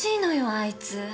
あいつ。